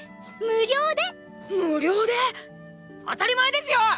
無料で⁉当たり前ですよ！